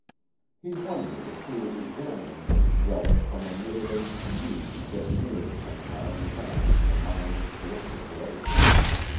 He wondered if he was examining this relic from a middle aged need to get nearer somehow in time to the mind of Callista Blake.